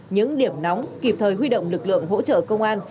những điểm nóng kịp thời huy động lực lượng hỗ trợ công an